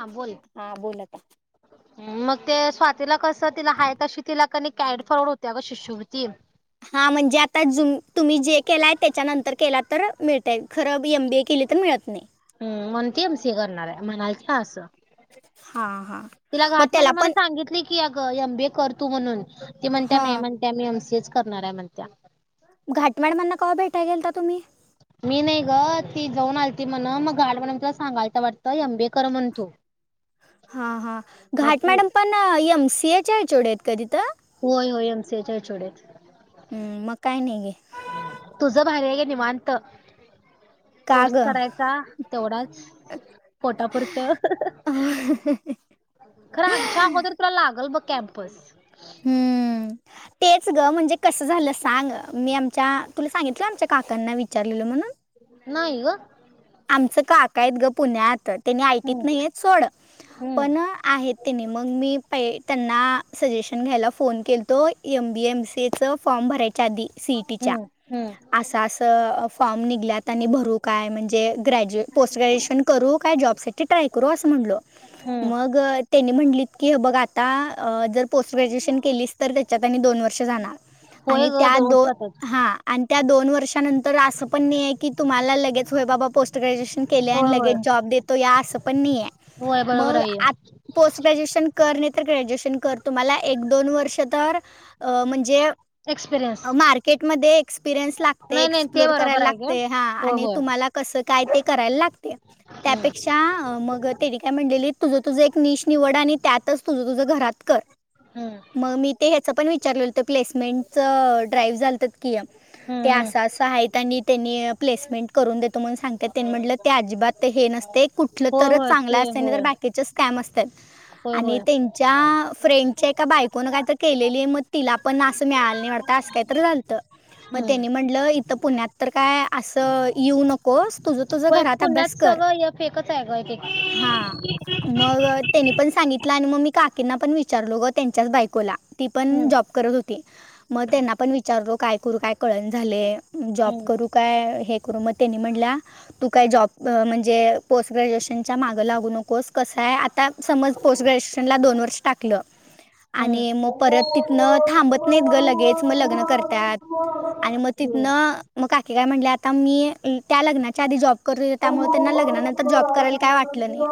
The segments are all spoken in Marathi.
हा बोल हा बोला का मग ते स्वातीला कस तिला आयतंशी तिला कॅड [unintelligible] डायरेक्ट फॉरवर्ड होत्या ग शिश्यवृती. हा म्हणजे आता जुम तुम्ही जे केलाय त्याच्यानंतर केलातं. तर मिळतय खरं एम बी ए केली तर मिळत नाही. म्हण ते एम सी ए करणार आहे म्हनालती असं. हा हा तिला मग घाट मन त्याला मला पण सांगितली की. की अ एम बीए करतू म्हणून ती म्हणत्या नाही ह म्हणत्या मी एमसीएच करणार आहे म्हणत्या. घाट म्याडमां ना, कव्हा भेटाय गेल का तुम्ही. मी नाही ग ती जाऊन आलती म्हण मग गाड मॅडम तिला सांगायचं वाटतं एम बी ए कर म्हणतू. हा हा घाट मॅडम पण एमसीएच्या एच ओ डी आहेत काय तिथं. होय होय एम सी ए च्या एच ओ डी हम्म मकाय नाय गे तुझ भारी आहे की निवांत. का कोर्स ग करायचा तेवढाच. पोटापुरतं खरं आमच्या अगोदर तुला लागल बघ कॅम्पस. हम्म. तेच ग म्हणजे कसं झालं सांग मी आमच्या तुला सांगितलं आमच्या काकांना विचारलेलं म्हणून. नाहीग. आमचं काका आहेत ग पुण्या त. त्यांनी आयटीत हम्म [unintelligible] नाही आहे सोड हम्म पण आहेत त्यांनी मग मी हाये. त्यांना सजेशन घ्यायला फोन केलतो एम बी एम सी एचं फॉर्म भरायच्या आधी. सीईटीच्या हम्म हम्म अस अस फॉर्म निघल्यात आणि भरू काय म्हणजे म्हणजे, ग्रेजु पोस्ट ग्रेड्युएशन करू का जॉब साठी ट्राय करू आस म्हणालो. हम्म मग त्यांनी म्हटली की बघ आता जर पोस्ट ग्रॅज्युएशन केली तर त्याच्यात आणि दोन वर्ष जाणार. होय आणि ग त्या दोन वर्षातच हा आन त्या दोन वर्षानंतर असं पण नाही आहे की तुम्हाला लगेच होय बाबा पोस्ट ग्रॅज्युएश केल आन होय होय लगेच जॉब देतो या आस पण नाही, हे होय बरोबर मग आहे आत पोस्ट ग्रेड्युएशन कर नाही तर ग्रॅज्युएशन कर तुम्हाला एक दोन वर्ष तर अ म्हणजे एक्सपिरियन्स मार्केट मधे एक्सपिरियन्स लागते नाही नाही ते एक्सप्लोर बरोबर करायला आहे ग लागते हा होय आणि होय कस काय ते करायला लागते हम्म त्यापेक्षा मग त्यानी काय म्हणलेले तुझ तुझ एक नीश निवड आणि त्यातच तुझ तुझं घरात कर हम्म मग मी ते ह्याच पण विचारले. ते प्लेसमेंट च ड्राईव्ह झलतत की, हम्म ते हम्म आस आस हायत त्यांनी त्यांनी प्लेसमेंट करून देतो म्हणून सांगत्यात त्यांनी म्हटलं ते अजिबात हे नस ते कुठलं होय तरच होय चांगलं ते असायल नाही तर होय बाकीचे स्कॅम अस होय आणि होय त्यांच्या फ्रेंडच्या एका बायकोनं कायतर केलेली मग तिला पण अस मिळालं नाही वाटतं असं कायतर झालतं मग हम्म त्यांनी म्हटलं इथं पुण्यात तर काय असं येऊ नकोस. तुझं तुझं होय घरात पुण्यात अभ्यास कर. सगळं हे फेकच आहे ग एक एक हा मग. त्यांनी पण सांगितलं आण मी काकींना पण विचारात गो त्यांच्याच बायकोला. ती पण हम्म जॉब करत होती म त्यांना पण विचारलो काय करू काय? कळणा झालंय जॉब हम्म करू काय हे. करु मग त्यांनी म्हटल्या, तू काय जॉब त म्हणजे पोस्ट ग्रॅज्युएशनच्या मागं लागू नकोस. कसं आहे आता समज पोस्ट ग्रेश्यूएशन ला दोन वर्ष टाकलं. हम्म आणि मग परत तिथनं थांबत नाहीत गं लगेच मग लग्न करत्यात. आणि मग हम्म तिथनं मग काकी काय म्हणल्यात. मी त्या लग्नाच्या आधी जॉब करत हां. त्यामुळे त्यांना लग्नानंतर जॉब करायला काय वाटलं नाही.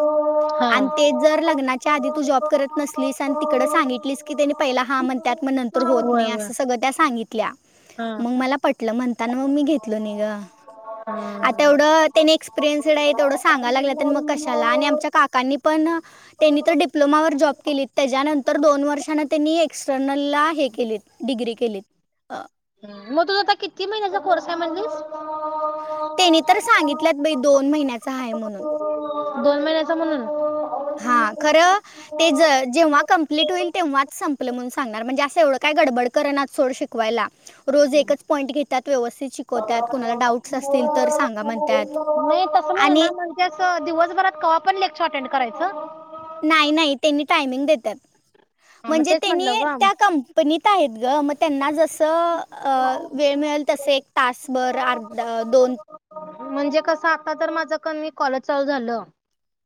आणि ते जर लग्नाच्या आधी तू जॉब करत नसलीस आणि तिकडं सांगितलीस की त्यानी पहिला हा म्हणत्यात. नंतर होत होय, नाही होय. अस सगळं त्या सांगितल्या हां, मग मला पटलं म्हणताना मग मी घेतल नाही गं. हं आता एवढं त्यानी एक्सपिरियन्सड आहेत तेवढं सांगायला लागल्यात आणि मग कशाला आणि आमच्या काकांनी पण त्यांनी तर डिप्लोमावर जाॅ केलीत, त्याच्यानंतर दोन वर्षान त्यांनी एक्सटर्नलला हे केलीत डिग्री केलीत. अ मग तुझा आता किती महिन्याचा कोर्स आहे म्हणलीस? त्यांनी तर सांगितल्यात बाई दोन महिन्याचा हाय म्हणून. दोन महिन्याचा म्हणून? हा खरं ते जेव्हा कम्प्लीट होईल तेव्हाच संपलं म्हणून सांगणार म्हणजे असं एवढं काय गडबड करनात सोड शिकवायला. रोज एकच पॉईंट घेत्यात व्यवस्थित शिकवत्यात कोणाला डाऊटस असतील तर सांगा म्हणत्यात. नाही तसं म्हण ना, म्हणजे असं दिवसभरात कवा पण लेक्चर अटेंड करायचं? नाही नाही त्यांनी टायमिंग देतात. हां, मग म्हणजे तेच त्यांनी म्हटलं गं त्या कंपनीत आहेत ग मग त्यांना जसं वेळ मिळेल मिळेल तसे एक तासभर अर्ध दोन म्हणजे कसं आता तर माझं की नाही कॉलेज चालू झालं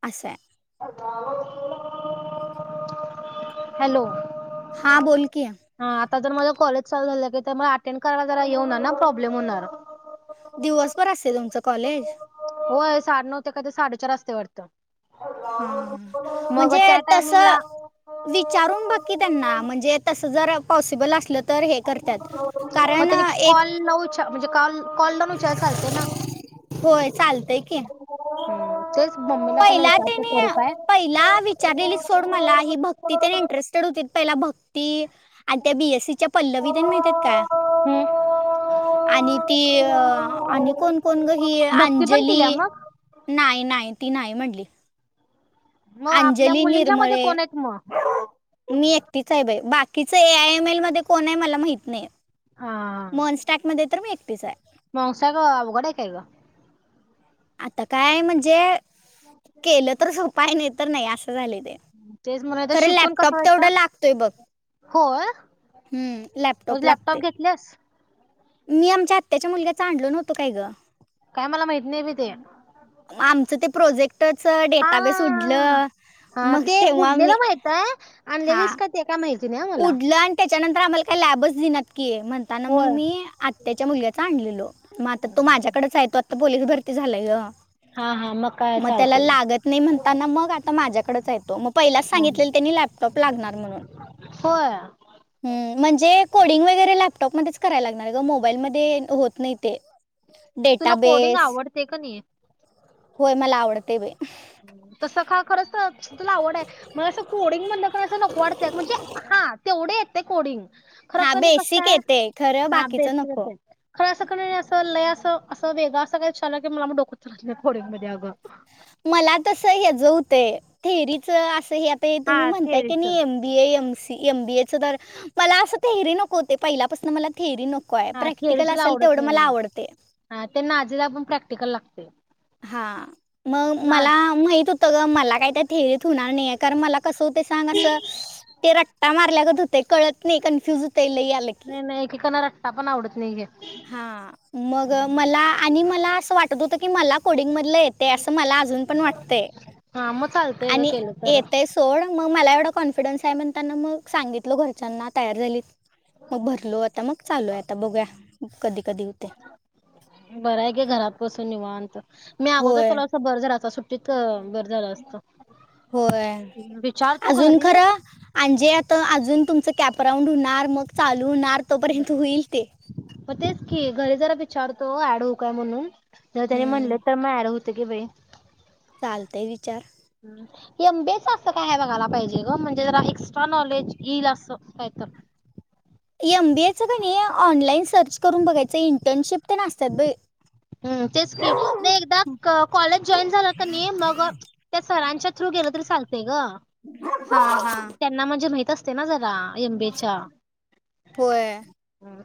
असंय. हॅलो हा बोलकी हा आता जर माझ कॉलेज चालू झालं की म अटेंड करायला जरा हे हुणार ना प्रॉब्लेम होणार. दिवसभर असते तुमचं कॉलेज? होय साडे नऊ ते काय ते साडेचार असतंय वाटतं. हा मग म्हणजे त्या तसं टायमिंगला विचारून बग की त्यांना म्हणजे तसं जर पॉसिबल असलं तर हे करत्यात, मग कारण त्यांनी एक कॉल न उचल म्हणजे कॉल लावून विचारले तर चालते ना होय चालतंय की तेच मम्मीला पहिला विचारतो करू त्यानी काय? पहिला विचारलेली सोड मला ही भक्ती तेन इंटरेस्टेड होती पहिला ती आणि त्या बी एस सी च्या पल्लवी तेन माहित आहेत काय? आणि ती हम्म आणि कोण कोण ही भक्ती पण अंजली केल्या मग नाही नाही ती नाही म्हटली. मग आपल्या अंजली मुलींच्या मध्ये निर्मळे कोण आहेत मग? मी एकटीच आहे बाई बाकीच ए आय एम एल मध्ये कोण आहे मला माहित नाही. हा मॉनस्टॅकमध्ये तर मी एकटीच हाय. मावसा ग अवघड आहे काय ग आता काय म्हणजे केलं तर सोप आहे नाही तर नाही असं झालंय ते, तेच म्हणाले तर खरं शिकून कसं लॅपटॉप व्हायचं? तेवढं लागतोय बघ. होय हम्म लॅपटॉप मग लागते. घेतलेस मी आमच्या आत्याच्या मुलग्याच आणलो नव्हतो काय ग? काय मला माहित नाही बी ते. आमचं ते प्रोजेक्टच हा डेटाबेस हा उडलं. हा मग ते तेव्हा मी उडलेलं माहित आहे हा आणलेलेस का ते काय माहित उडलं आणि त्याच्यानंतर आम्हाला काय लॅबच देईनात. म्हणताना मग होय मी आत्त्याच्या मुलीचा आणलेलो मग आता तो माझ्याकडेच आहे तो पोलीस भरती झालाय ग. हा हा काय मग त्याला चालतंय लागत नाही म्हणताना मग आता माझ्याकडेच आहे तो मग हा पहिलाच हा सांगितलेलं त्यांनी लॅपटॉप लागणार. लागणार म्हणून होय म्हणजे कोडींग वगैरे लॅपटॉपमध्येच कराय लागणार ग मोबाईलमध्ये होत नाही ते. तुला कोडिंग डेटाबेस आवडते का नाही होय मला आवडते बाई तसं का खरंच तुला आवड आहे मला असं कोडिंग म्हणण असं नको वाटतंय म्हणजे हा तेवढे येत कोडिंग खर हा क कस बेसिक आहे येते खरं हा बेस बाकीचं नको बस खर क अस ल असं वेगं असं काय झाललं की मला मग डोकत राथो्यां ममध्ये अगं मला तस हचं होतंय थेरीच असं हे आता हा तुम्ही म्हणताय की थेरीच नाही एम बी ए एम सी एमबीए तर मला अस थरी नको पहिल्यापासून मला थरी नक य हा थेअरी प्रॅक्टिकल तुला असेल आवडत तेवढं नाही मला ना आवडते हा ते नाजीला पण प्रॅक्टिकल लागते हा मग ना मला माहित होत ग मला काय त्या ठे णार नाही कारण मला कस होते सांग अस ते रट्टा मारल्यागत होते कळत नाही कन्फ्युज नाही नाही कीकना रट्टा पण आवडत नाही घे हा मग मला आणि मला असं वाटत होतं की मला कोडिंग मधलं येते असं मला अजून पण वाटतंय हा मग चालतय ग आणि केलं तर येतंय सोड मग मला एवढा कॉन्फिडन्स आहे मण त्यांना मग सांगितल घरच्यांना तयार झाली मग भरलो आता मग चालूय आता बघूया कधी कधी होते बर आहे ग घरात बसून निवान मी अगोदर होय केला असं बर झालात सुट्टीत बरे झालं असत होय अजून घरी खर म्हजे आता अजून तुम कॅपराऊंड होणार मग चालू होणार तोपर्यंत होईल ते मग तेच की घरी जरा विचारतो ऍड होऊ काय म्हणून जर त्यानी म्हणले तर मग ऍड होत की बाई चालतय विचार एमबीच असं काय बघायला पाहिजे ग म्हणजे जरा एक्स्ट्रा नॉलेज येईल असं काय तर ह एम बीएचं का नाही ऑनलाईन सर्च करून बघायचं इंटर्नशिप तर नासतात ब ह् तेच म एकदा कॉलेज जॉईन झाला का नाही मग त्या सरांच्या थ्रू गेलं तरी चालतय ग हा हा त्यांना म्हणजे माहि असते ना जरा एमबेच्या पुय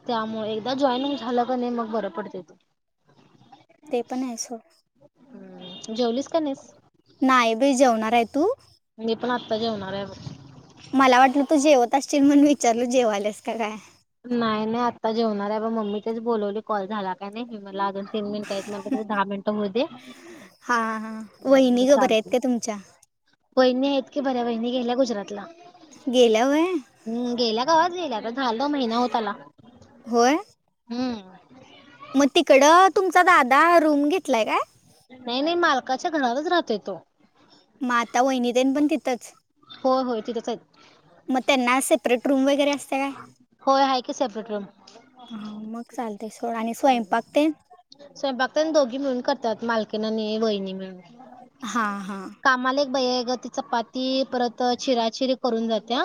त्यामुळे एकदा जॉईनिंग झालं क नाही मग बरं पडते तो ते पण आहे सो ् जेवलीस का नाहीस नाही बाई जेवणार आहे तू म्हणे पण आत्ता जेवणार आहेवर मला वाटलं तू जेवत असशील म्हण विचारल जेवालेस का काय नाही नाही आत्ता जेवणार आहे ब मम्मी तेच बोलवली कॉल झाला काय नाही मला अग तीन मिनिट नंतर दहा मिनिटं होऊ दे हा हा वहिनी ग बरे आहेत का तुमच्या? वहिणी आहेत की बऱ्या वहिणी गेल्या गुजरातला गेल्या वय हम्म गेल्या गवाज गेल्या ग झाल महिना होत आला होय हम्म मग तिकडं तुमचा दादा रूम घेतलाय काय? नाही नाही मालकाच्या घरावरच राहतोय तो म आता वहिनी तेन पण तिथंच हो होय तिथच मग आहेत. त्यांना सेपरेट रूम वगैरे असतिया काय? होय आहे की सेपरेट रूम. हा मग चालतय सोड आणि स्वयंपाक तेन स्वयंपाक तेन दोघी मिळून करत्यात मालकीन आणि वहिणी मिळून हा हा. कामाला बाई एक हाय ग ती चपाती परत चिराचिरी करून जातिया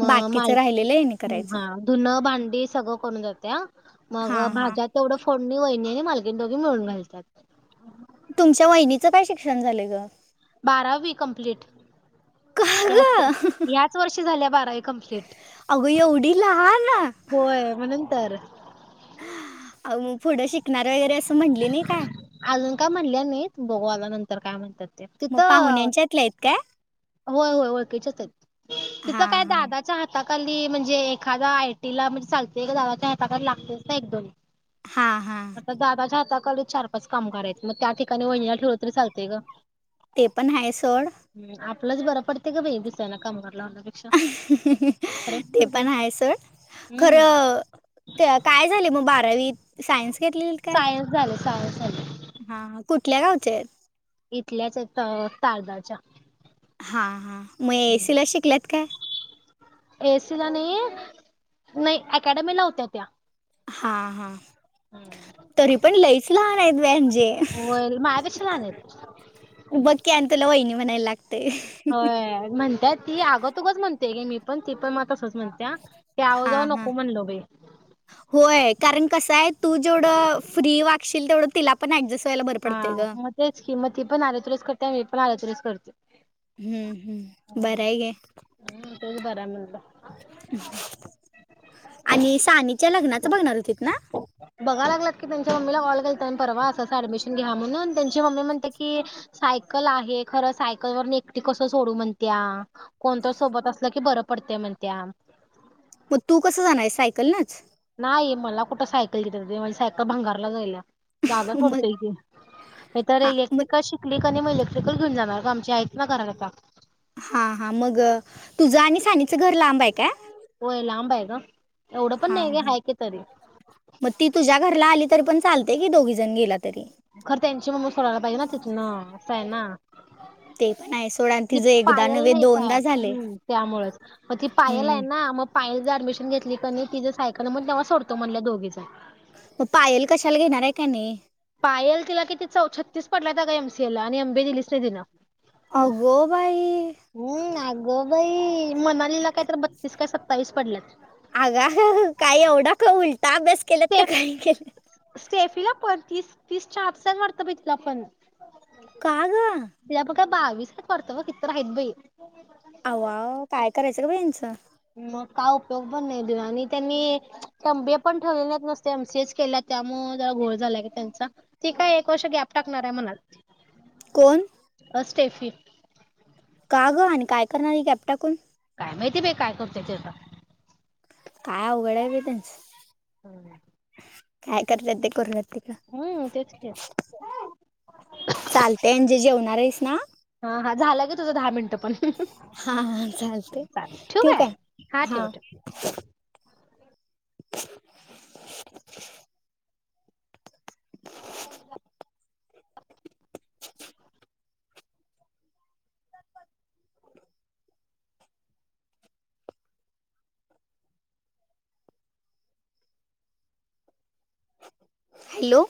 म बाकीचं माल राहिलेलं आहे करायचं हा धुन भांडी सगळं करून जातिया मग हां हां भाज्या तेवढं फोडणी वहिणी आणि मालकीन दोघी मिळून घालत्यात. तुमच्या वहिनीचं काय शिक्षण झालंय ग? बारावी कंप्लीट याच -याच वर्षी झाल्या बारावी कंम्पप्लीट. अगं एवढी लहान अहो, होय म्हणून तर [inaudible] मग पुढं शिकणार वगैरे असं म्हणली नाही काय? अजून काय म्हणल्या नाहित बघू आता नंतर काय म्हणत्यात ते मग तिथं पाहुण्यांच्यातल्या आहेत काय होय -होय ओळखीच्याच आहेत [inaudible] तिथं हां काय हां दादाच्या हातात कली म्हणजे एखादा आयटीला म्हणजे चालतय दादाच्या हाताखाली लागतेच ना एक दोन हा -हा. आता दादाच्या हाताखाली चार पाच कामगार आहेत मग त्या ठिकाणी वहिणीला ठेवलं तरी चालतय ग. ते पण आहे सोड.. आपलच बर पडतय ग बाई दुसऱ्याना काम [inaudible] [inaudible] ते तर बाई पण आहे सोड. हम्म खरं काय झालेय मग बारावीत सायन्स घेतलेलीत काय? सायन्स झाले सायन्स [inaudible] हा हा कुठल्या गावच्या आहेत? इथल्याच आहेत अ तारदाळच्या हा- हा मग एसी ला शिकल्यात काय? एसी ला नाही -नाही अकॅडमीला होत्या त्या हा- हा तरी पण लईच लहान आहेत बाई अंजी जे होय माझ्यापेक्षा लहान आहेत. [inaudible] बघ की आणि तुला वहिनी म्हणाय ला होय म्हणत्या ती आगं तुगच म्हणतोय ग मी पण ती पण मग आता तसं म्हणत्या ते आवो -जावो हां हां नको म्हणलो बाई होय कारण कसं आहे तू जेवढं फ्री वागशील तेवढं तिला पण ऍडजस्ट व्हायला बरं हा पडतंय गं. मग तेच कि मग ती पण अरे तुरेच करतीया आणि मी पण अरे तुरेच करतोय. हम्म- हम्म बराय घे हम्म तेच बरं आहे म्हणलं [inaudible] आणि सानीच्या लग्नाच बघणार होतीत ना? बघाय लागल्यात की त्यांच्या मम्मीला कॉल केलता परवा असं असं ॲडमिशन ऍडमिशन घ्या म्हनून त्यांची मम्मी म्हणत्याकी सायकल आहे, खर सायकल वरन एकटी कस सोडू म्हणत्या त्या कोणतर सोबत असलं की बरं पडतय म्हणत्या. मग तू कस जाणार आहे सायकलनच? नाही मला कुठं सायकल देत्यात माझी सायकल भंगारला जायला. जागा मग फोडतोय की नाही तर हां मग इलेक्ट्रिकल शिकली कनी मग इलेक्ट्रिकल घेऊन जाणार काम हा- हा मग तुझं आणि सानीचं घर लांब आहे काय? होय लांबाय ग? एवढं पण हा नाही ग -हा हाय की तरी मग ती तुझ्या घरला आली तर पण चालते की दोघी जण गेला तरी खरं त्यांची मम्मी सोडायला पाहिजे ना तिथन? असं आहे ना. ते [inaudible] पण आहे सोड आणि [inaudible] ती तिचं एकदा पायल नव्हे नाही का? दोनदा झाले हम्म त्यामुळेच, मग ती पायल आहे हम्म ना मग पायल जर ऍडमिशन घेतली का नाही तिं सायकल मग तेव्हा सोडत म्हणलं दोघीच [inaudible] मग पायल कशाला घेणार आहे का नाही? पायल तिला किती -च छत्तीस पडल्यात अगं एमसीए ला आणि एमबीए दिलीच नाही तिं अगो बाई हम्म.. आग बाई.... [unintelligible] मनालीला काय तर बत्तीस काय सत्तावीस पडल्यात. अगायाय.. काही एवढा का उल्टाअभ्यास केलात? का काही केल्यात? [inaudible] सेफीला पण तीस- तीस आतच आहेत वाटत तिला पण? का ग? तिला पण काय बावीस का वर किती तर आहेत बाई [inaudible] अवा काय करायचं का बाई यांचं मग का उपयोग पण नाही दे [unintelligible] आणि त्यांनी एमबीए पण ठेवलेल नाहित एमसीएसच केल्यात. त्यामुळे जरा घोळ झालाय ग त्यांचा. ते काय एक वर्ष गॅप टाकणार आहे म्हणालती. कोण अ स्टेफी.. का ग? आणि काय करणारी गॅप टाकून? काय माहिती बाई काय करतोय तो आता? काय अवघड आहे बाई त्यांच. हम. काय करतात ते करून देत. हम्म तेच की चालते अंजू जेवणार आहेस ना? हा हा झाल घे तुझं दहा मिनिटं पण. हा हा चालतय चालेल ठेवू ठेऊ काय? हा. ठेव ठेव. हॅलो.